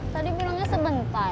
tadi bilangnya sebentar